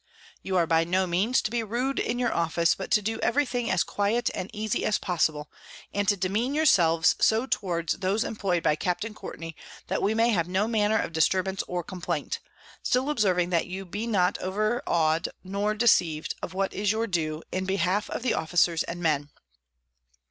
_ _You are by no means to be rude in your Office, but to do every thing as quiet and easy as possible; and to demean your selves so towards those employ'd by Capt._ Courtney, _that we may have no manner of Disturbance or Complaint: still observing that you be not overaw'd, nor deceiv'd of what is your Due, in the behalf of the Officers and Men.